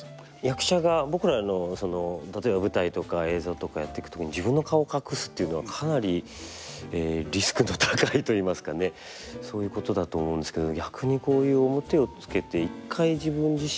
役者が僕らの例えば舞台とか映像とかやっていく時に自分の顔隠すっていうのはかなりリスクの高いといいますかねそういうことだと思うんですけど。